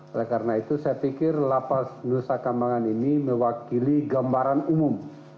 oleh karena itu saya pikir lapas nusa kambangan ini mewakili gambaran umum